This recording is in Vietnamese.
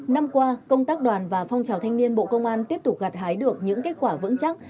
năm qua công tác đoàn và phong trào thanh niên bộ công an tiếp tục gạt hái được những kết quả vững chắc